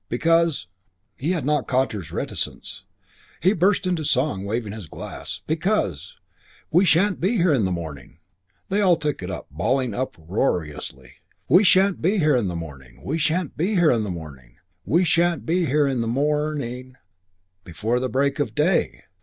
Because " He had not Cottar's reticence. He burst into song, waving his glass "Because "We shan't be here in the morning " They all took it up, bawling uproariously: We shan't be here in the morning, We shan't be here in the morning, We shan't be here in the mor or ning, Before the break of day!